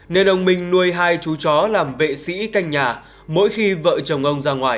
nên ông mình nuôi hai chú chó làm vệ sĩ canh chó